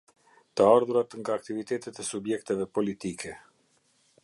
Të ardhurat nga aktivitetet e subjekteve politike.